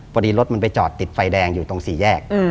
พอดีรถมันไปจอดติดไฟแดงอยู่ตรงสี่แยก